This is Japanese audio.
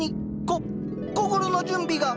こ心の準備が。